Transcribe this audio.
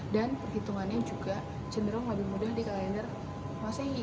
dan perhitungannya juga cenderung lebih mudah di kalender masehi